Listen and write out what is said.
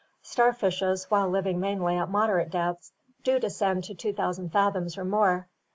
Starfishes, while living mainly at moderate depths, do descend to 2000 fathoms or more.